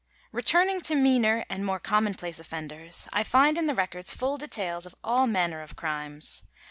Returning to meaner and more commonplace offenders, I find in the records full details of all manner of crimes.